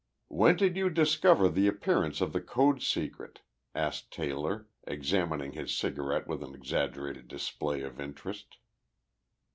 "When did you discover the disappearance of the code secret?" asked Taylor, examining his cigarette with an exaggerated display of interest.